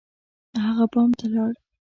هغه بام ته لاړ.